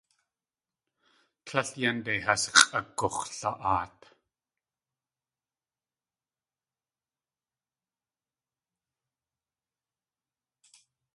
Tlél yánde has x̲ʼagux̲la.aat.